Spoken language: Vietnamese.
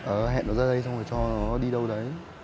nó hẹn nó ra đây xong rồi cho nó đi đâu đấy